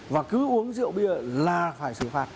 và cứ uống rượu bia là phải xử phạt